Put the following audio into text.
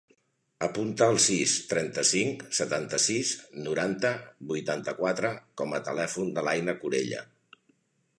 Apunta el sis, trenta-cinc, setanta-sis, noranta, vuitanta-quatre com a telèfon de l'Aina Corella.